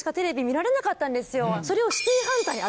それを。